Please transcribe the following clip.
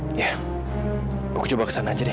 aku coba kesana aja deh